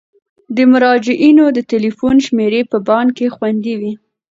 د مراجعینو د تلیفون شمیرې په بانک کې خوندي وي.